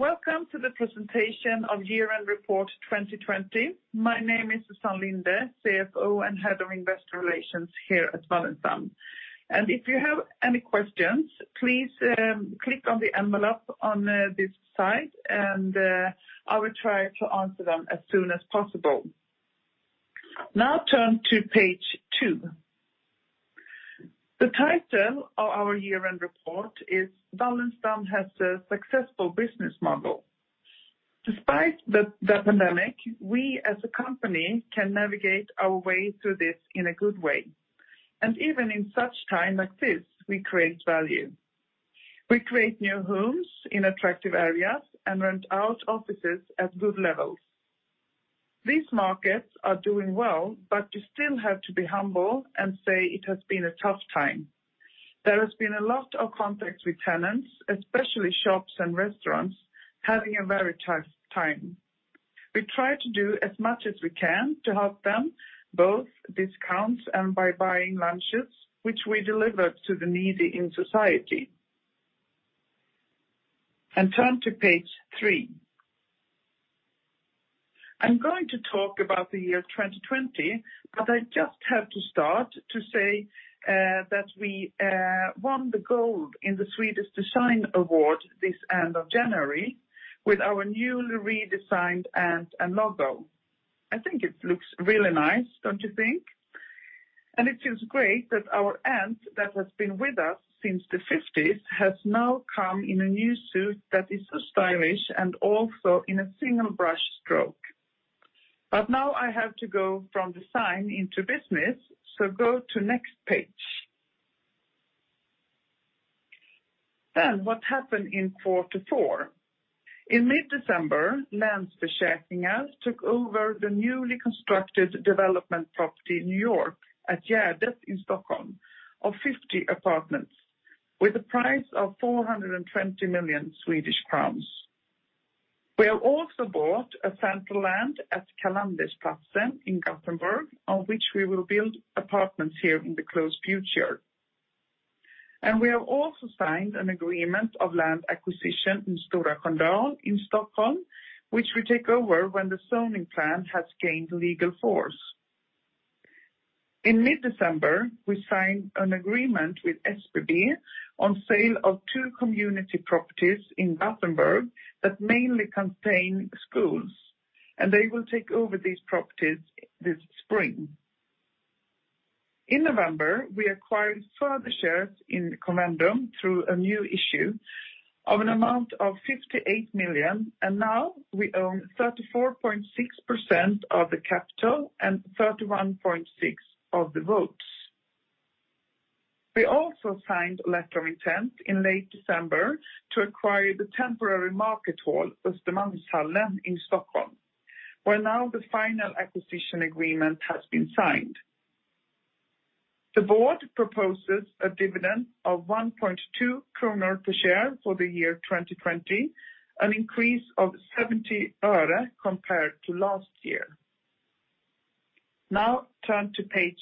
Welcome to the presentation of year-end report 2020. My name is Susann Linde, CFO and Head of Investor Relations here at Wallenstam. If you have any questions, please click on the envelope on this side, and I will try to answer them as soon as possible. Turn to page two. The title of our year-end report is Wallenstam has a successful business model. Despite the pandemic, we as a company can navigate our way through this in a good way, and even in such time like this, we create value. We create new homes in attractive areas and rent out offices at good levels. These markets are doing well, we still have to be humble and say it has been a tough time. There has been a lot of contacts with tenants, especially shops and restaurants having a very tough time. We try to do as much as we can to help them, both discounts and by buying lunches, which we deliver to the needy in society. Turn to page three. I am going to talk about the year 2020, I just have to start to say that we won the gold in the Swedish Design Award this end of January with our newly redesigned ant and logo. I think it looks really nice, don't you think? It feels great that our ant that has been with us since the 1950s has now come in a new suit that is so stylish and also in a single brush stroke. Now I have to go from design into business, go to next page. What happened in quarter four. In mid-December, Länsförsäkringar took over the newly constructed development property, New York, at Gärdet in Stockholm of 50 apartments with a price of 420 million Swedish crowns. We have also bought a central land at Kalandersplatsen in Gothenburg, on which we will build apartments here in the close future. We have also signed an agreement of land acquisition in Stora Sköndal in Stockholm, which we take over when the zoning plan has gained legal force. In mid-December, we signed an agreement with SBB on sale of two community properties in Gothenburg that mainly contain schools, and they will take over these properties this spring. In November, we acquired further shares in [inaudible] through a new issue of an amount of 58 million, and now we own 34.6% of the capital and 31.6% of the votes. We also signed letter of intent in late December to acquire the temporary market hall, Östermalmshallen in Stockholm, where now the final acquisition agreement has been signed. The board proposes a dividend of 1.2 kronor per share for the year 2020, an increase of SEK 0.70 compared to last year. Turn to page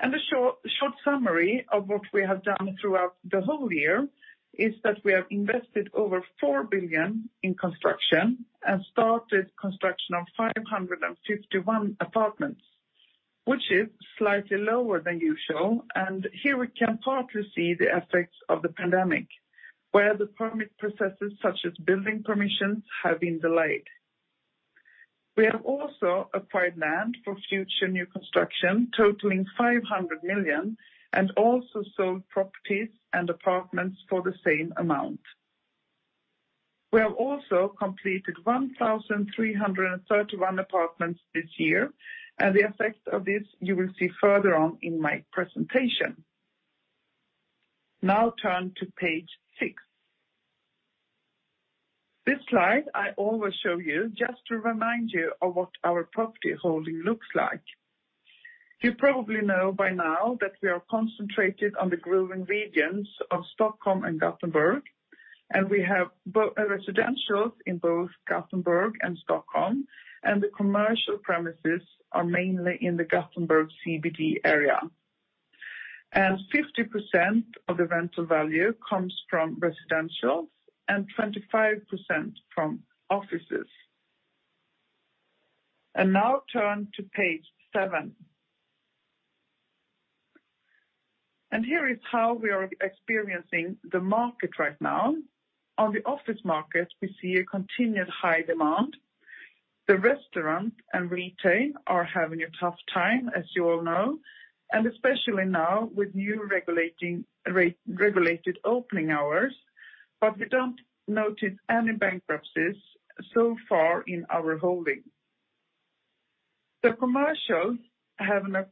five. A short summary of what we have done throughout the whole year is that we have invested over 4 billion in construction and started construction of 551 apartments, which is slightly lower than usual, and here we can partly see the effects of the pandemic, where the permit processes such as building permissions have been delayed. We have also acquired land for future new construction totaling 500 million, and also sold properties and apartments for the same amount. We have also completed 1,331 apartments this year, and the effect of this you will see further on in my presentation. Now turn to page six. This slide I always show you just to remind you of what our property holding looks like. You probably know by now that we are concentrated on the growing regions of Stockholm and Gothenburg, and we have residentials in both Gothenburg and Stockholm, and the commercial premises are mainly in the Gothenburg CBD area. 50% of the rental value comes from residentials, and 25% from offices. Now turn to page seven. Here is how we are experiencing the market right now. On the office market, we see a continued high demand. The restaurant and retail are having a tough time, as you all know, and especially now with new regulated opening hours, but we don't notice any bankruptcies so far in our holding. The commercials have an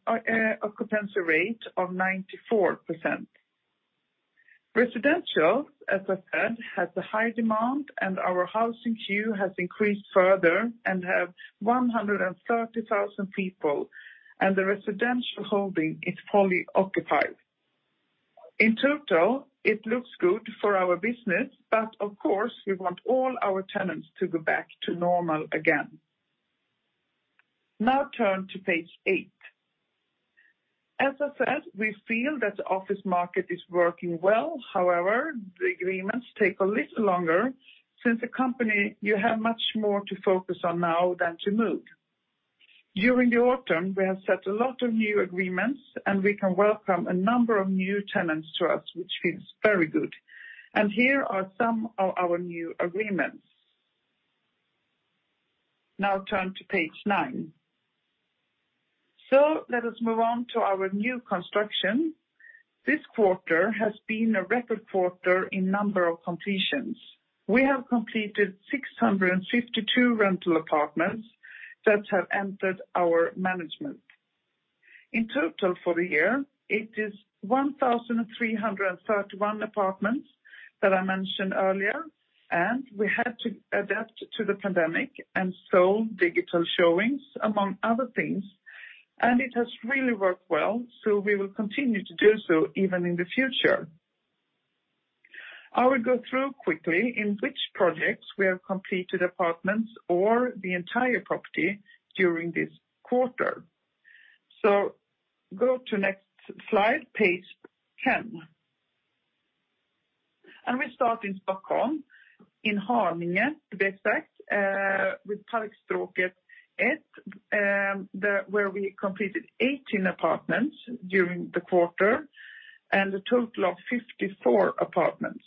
occupancy rate of 94%. Residentials, as I said, has a high demand, and our housing queue has increased further and have 130,000 people, and the residential holding is fully occupied. In total, it looks good for our business, but of course, we want all our tenants to go back to normal again. Now turn to page eight. As I said, we feel that the office market is working well. However, the agreements take a little longer since a company, you have much more to focus on now than to move. During the autumn, we have set a lot of new agreements, and we can welcome a number of new tenants to us, which feels very good. Here are some of our new agreements. Now turn to page nine. Let us move on to our new construction. This quarter has been a record quarter in number of completions. We have completed 652 rental apartments that have entered our management. In total for the year, it is 1,331 apartments that I mentioned earlier, and we had to adapt to the pandemic, so digital showings, among other things, and it has really worked well. We will continue to do so even in the future. I will go through quickly in which projects we have completed apartments or the entire property during this quarter. Go to next slide, page 10. We start in Stockholm, in Haninge, to be exact, with Parkstråket 1, where we completed 18 apartments during the quarter, and a total of 54 apartments.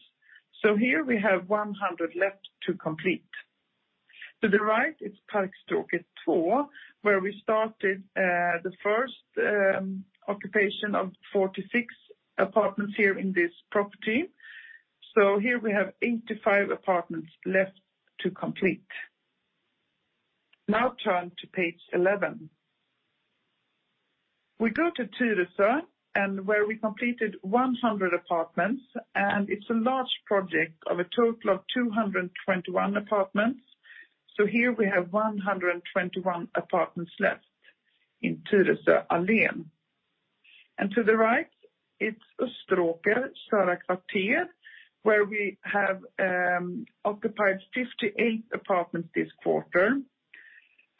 Here we have 100 left to complete. To the right is Parkstråket 2, where we started the first occupation of 46 apartments here in this property. Here we have 85 apartments left to complete. Now turn to page 11. We go to Tyresö, where we completed 100 apartments, and it's a large project of a total of 221 apartments. Here we have 121 apartments left in Tyresö Allén. To the right, it's Österåker Södra Kvarter, where we have occupied 58 apartments this quarter,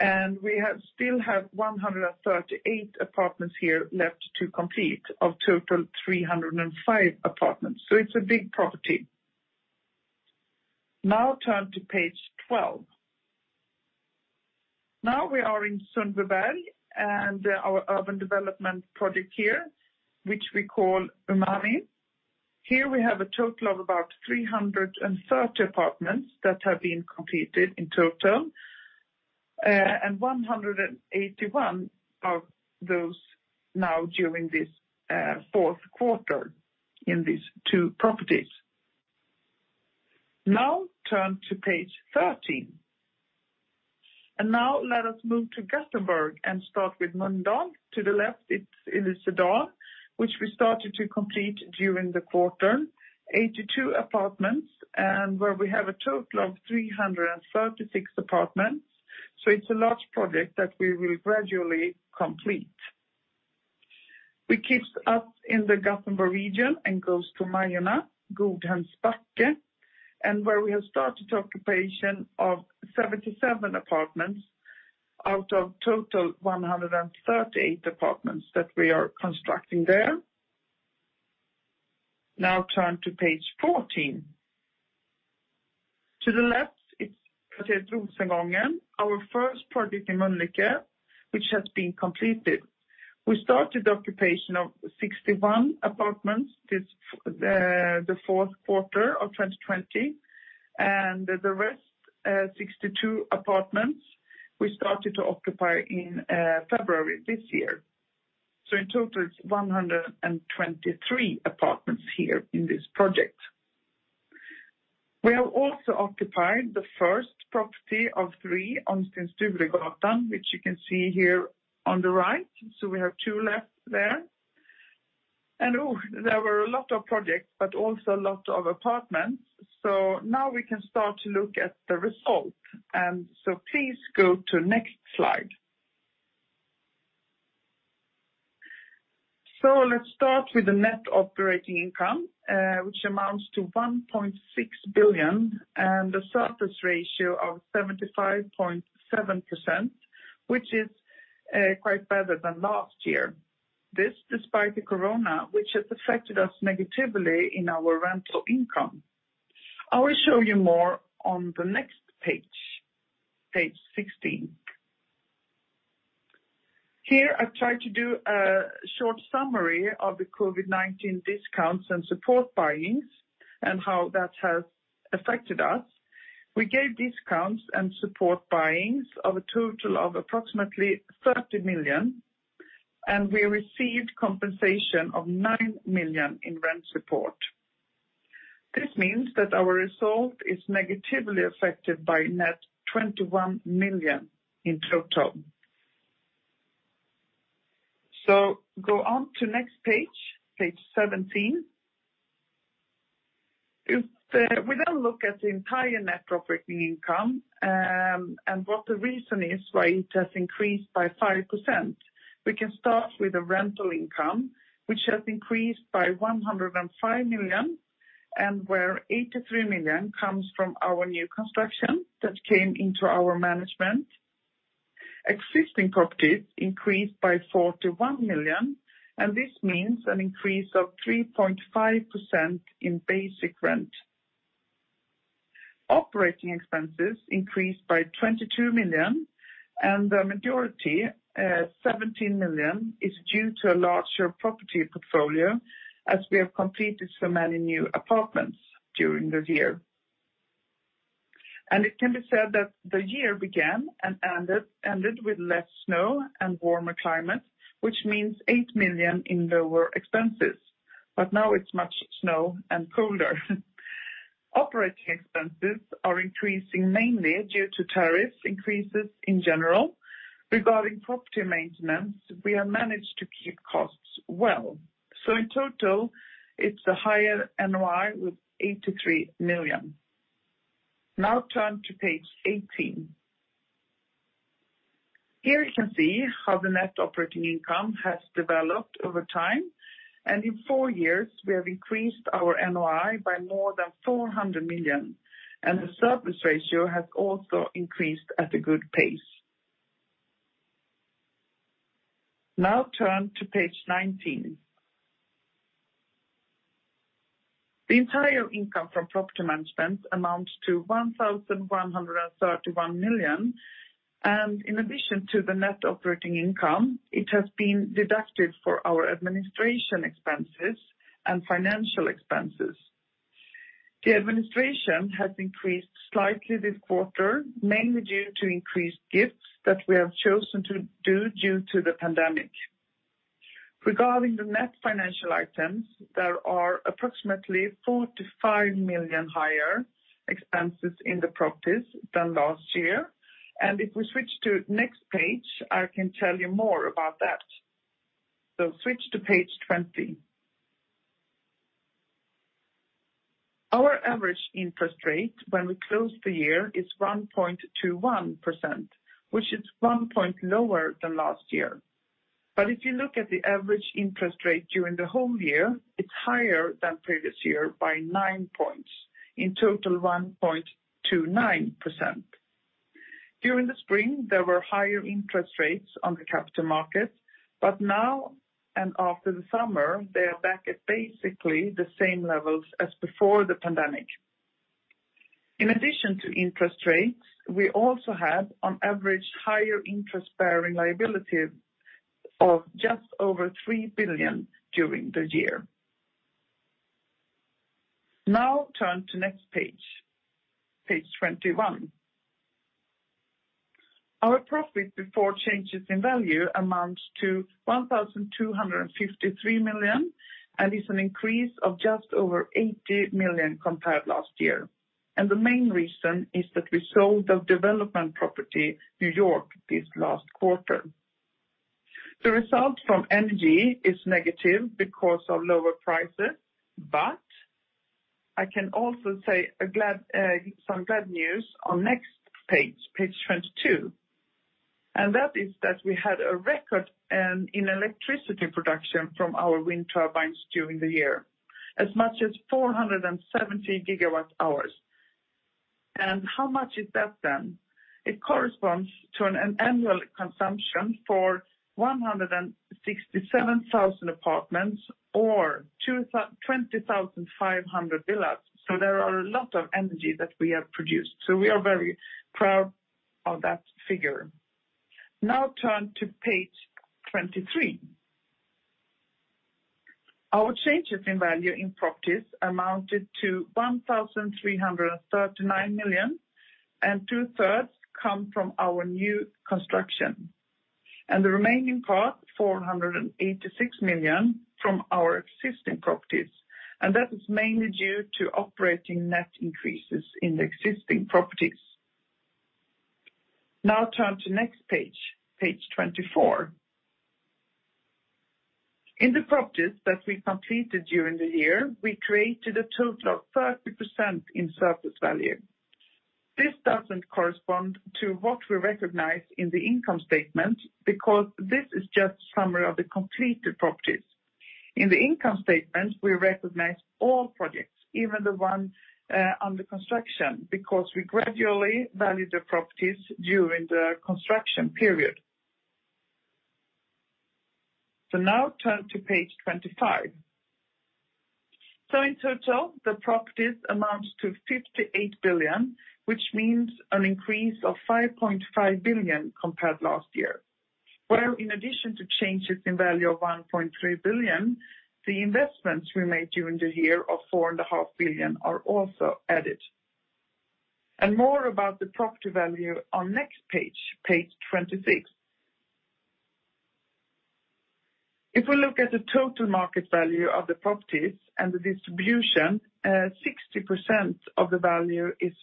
and we still have 138 apartments here left to complete, of total 305 apartments. It's a big property. Now turn to page 12. Now we are in Sundbyberg and our urban development project here, which we call Umami Park. Here we have a total of about 330 apartments that have been completed in total, and 181 of those now during this fourth quarter in these two properties. Now turn to page 13. Now let us move to Gothenburg and start with Mölndal. To the left, it is Idrottsplatsen, which we started to complete during the quarter, 82 apartments, and where we have a total of 336 apartments. It's a large project that we will gradually complete. We keep up in the Gothenburg region and goes to Majorna, Godhems Backe, and where we have started occupation of 77 apartments out of total 138 apartments that we are constructing there. Now turn to page 14. To the left, it's Kvarteret Rosengången, our first project in Mölnlycke, which has been completed. We started occupation of 61 apartments the fourth quarter of 2020, and the rest, 62 apartments, we started to occupy in February this year. In total, it's 123 apartments here in this project. We have also occupied the first property of three on Stensjödalsgatan, which you can see here on the right. We have two left there. There were a lot of projects, but also a lot of apartments. Now we can start to look at the results. Please go to next slide. Let's start with the net operating income, which amounts to 1.6 billion and a surplus ratio of 75.7%, which is quite better than last year. This despite the COVID-19, which has affected us negatively in our rental income. I will show you more on the next page 16. Here I've tried to do a short summary of the COVID-19 discounts and support buyings and how that has affected us. We gave discounts and support buyings of a total of approximately 30 million, and we received compensation of 9 million in rent support. This means that our result is negatively affected by net 21 million in total. Go on to next page 17. We now look at the entire net operating income and what the reason is why it has increased by 5%. We can start with the rental income, which has increased by 105 million. And where 83 million comes from our new construction that came into our management. Existing properties increased by 41 million, and this means an increase of 3.5% in basic rent. Operating expenses increased by 22 million, and the majority, 17 million, is due to a larger property portfolio, as we have completed so many new apartments during the year. It can be said that the year began and ended with less snow and warmer climate, which means 8 million in lower expenses. Now it's much snow and colder. Operating expenses are increasing mainly due to tariffs increases in general. Regarding property maintenance, we have managed to keep costs well. In total, it's a higher NOI with 83 million. Now turn to page 18. Here you can see how the net operating income has developed over time, and in four years, we have increased our NOI by more than 400 million, and the surplus ratio has also increased at a good pace. Now turn to page 19. The entire income from property management amounts to 1,131 million, and in addition to the net operating income, it has been deducted for our administration expenses and financial expenses. The administration has increased slightly this quarter, mainly due to increased gifts that we have chosen to do due to the pandemic. Regarding the net financial items, there are approximately 45 million higher expenses in the properties than last year. If we switch to next page, I can tell you more about that. Switch to page 20. Our average interest rate when we closed the year is 1.21%, which is one point lower than last year. If you look at the average interest rate during the whole year, it is higher than previous year by nine points, in total 1.29%. During the spring, there were higher interest rates on the capital market, but now and after the summer, they are back at basically the same levels as before the pandemic. In addition to interest rates, we also had on average higher interest-bearing liability of just over 3 billion during the year. Turn to next page 21. Our profit before changes in value amounts to 1,253 million and is an increase of just over 80 million compared last year. The main reason is that we sold our development property, New York, this last quarter. The result from energy is negative because of lower prices, I can also say some glad news on next page 22. That is that we had a record in electricity production from our wind turbines during the year. As much as 470 gigawatt hours. How much is that then? It corresponds to an annual consumption for 167,000 apartments or 20,500 villas. There are a lot of energy that we have produced. We are very proud of that figure. Turn to page 23. Our changes in value in properties amounted to 1,339 million, two-thirds come from our new construction. The remaining part, 486 million, from our existing properties. That is mainly due to operating net increases in the existing properties. Turn to next page 24. In the properties that we completed during the year, we created a total of 30% in surplus value. This doesn't correspond to what we recognize in the income statement because this is just summary of the completed properties. In the income statement, we recognize all projects, even the one under construction, because we gradually value the properties during the construction period. Turn to page 25. In total, the properties amount to 58 billion, which means an increase of 5.5 billion compared last year. Where in addition to changes in value of 1.3 billion, the investments we made during the year of 4.5 billion are also added. More about the property value on next page 26. If we look at the total market value of the properties and the distribution, 60% of the value is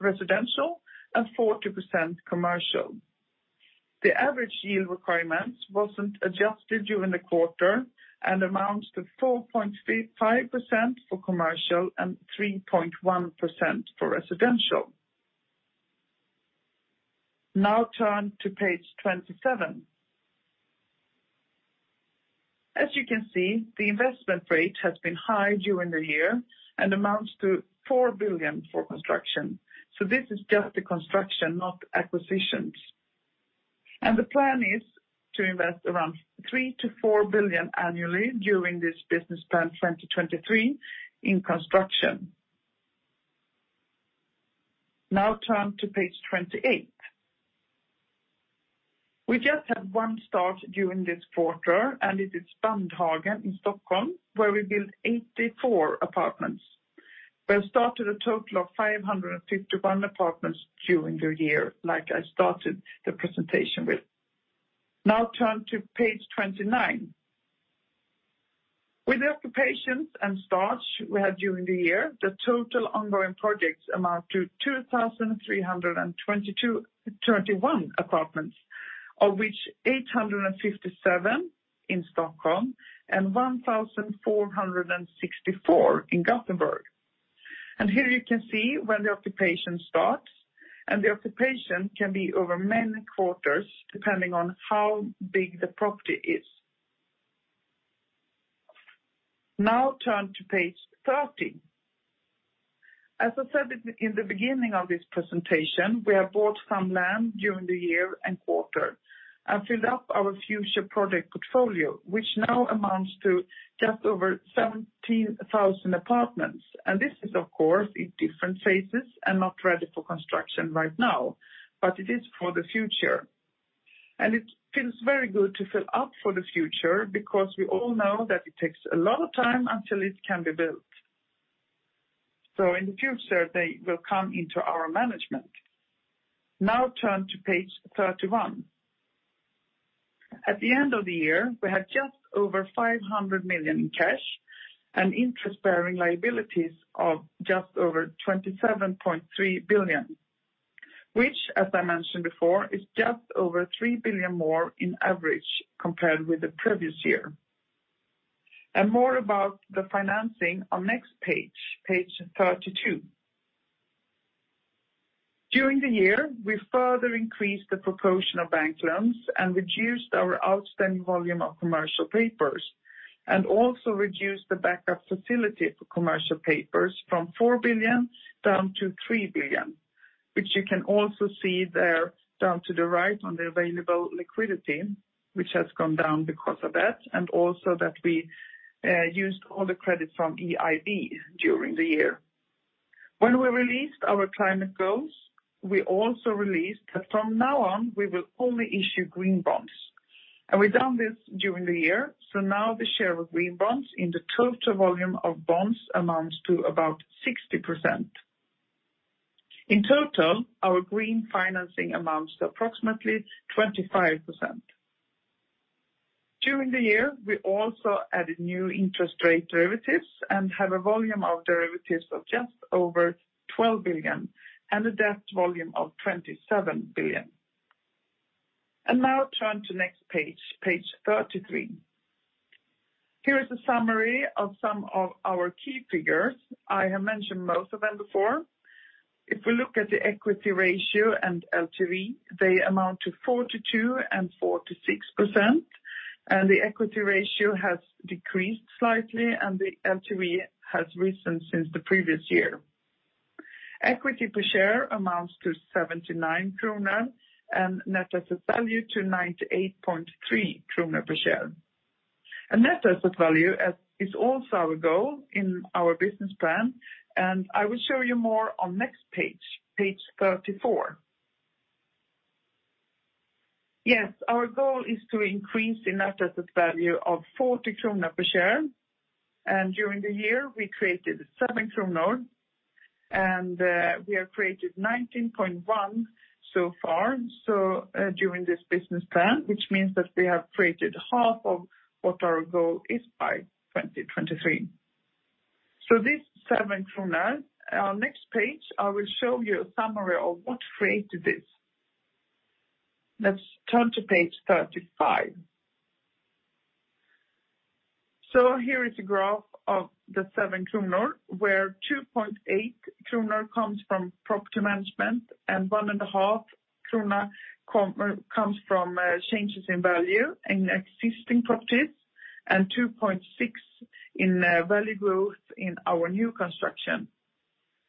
residential and 40% commercial. The average yield requirements wasn't adjusted during the quarter and amounts to 4.5% for commercial and 3.1% for residential. Turn to page 27. As you can see, the investment rate has been high during the year and amounts to 4 billion for construction. This is just the construction, not acquisitions. The plan is to invest around 3 billion to 4 billion annually during this business plan 2023 in construction. Turn to page 28. We just had one start during this quarter, and it is Bandhagen in Stockholm, where we built 84 apartments. We have started a total of 551 apartments during the year, like I started the presentation with. Turn to page 29. With the occupations and starts we had during the year, the total ongoing projects amount to 2,321 apartments, of which 857 in Stockholm and 1,464 in Gothenburg. Here you can see when the occupation starts, and the occupation can be over many quarters, depending on how big the property is. Turn to page 30. As I said in the beginning of this presentation, we have bought some land during the year and quarter and filled up our future project portfolio, which now amounts to just over 17,000 apartments. This is of course in different phases and not ready for construction right now, but it is for the future. It feels very good to fill up for the future because we all know that it takes a lot of time until it can be built. In the future, they will come into our management. Turn to page 31. At the end of the year, we had just over 500 million in cash and interest-bearing liabilities of just over 27.3 billion, which, as I mentioned before, is just over 3 billion more in average compared with the previous year. More about the financing on next page 32. During the year, we further increased the proportion of bank loans and reduced our outstanding volume of commercial papers, and also reduced the backup facility for commercial papers from 4 billion down to 3 billion, which you can also see there down to the right on the available liquidity, which has gone down because of that, and also that we used all the credit from EIB during the year. When we released our climate goals, we also released that from now on, we will only issue green bonds. We've done this during the year, so now the share of green bonds in the total volume of bonds amounts to about 60%. In total, our green financing amounts to approximately 25%. During the year, we also added new interest rate derivatives and have a volume of derivatives of just over 12 billion and a debt volume of 27 billion. Turn to next page 33. Here is a summary of some of our key figures. I have mentioned most of them before. If we look at the equity ratio and LTV, they amount to 42% and 46%, and the equity ratio has decreased slightly, and the LTV has risen since the previous year. Equity per share amounts to 79 kronor and net asset value to 98.3 kronor per share. Net asset value is also our goal in our business plan, and I will show you more on next page 34. Yes, our goal is to increase the net asset value of 40 krona per share. During the year, we created 7 kronor, and we have created 19.1 so far during this business plan 2023, which means that we have created half of what our goal is by 2023. This 7. Our next page, I will show you a summary of what created this. Let's turn to page 35. Here is a graph of the 7 kronor, where 2.8 kronor comes from property management and 1.5 kronor comes from changes in value in existing properties and 2.6 in value growth in our new construction,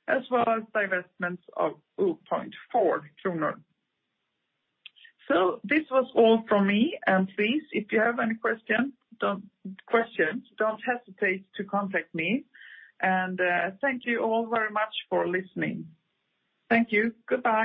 as well as divestments of 0.4 kronor. This was all from me, and please, if you have any questions, don't hesitate to contact me. Thank you all very much for listening. Thank you. Goodbye.